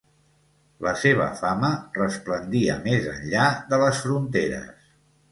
La seva fama resplendia més enllà de les fronteres.